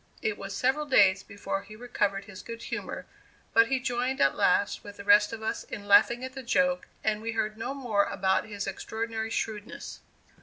It was several days before he recovered his good humor, but he joined at last with the rest of us in laughing at the joke, and we heard no more about his extraordinary shrewdness.